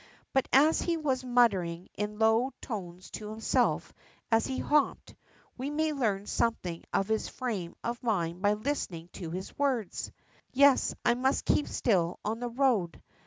But as he was muttering in low tones to himself as he hopped, we may learn something of his frame of mind by listening to his words : Yes, I must keep still on the road.